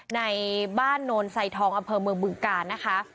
ในบ้านโนนไซทองอำเภอเมืองบึงกาลนะคะ